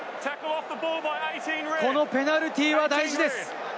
このペナルティーは大事です。